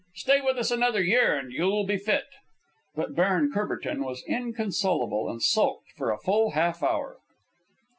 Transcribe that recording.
Stay with us another year and you'll be fit." But Baron Courbertin was inconsolable, and sulked for a full half hour.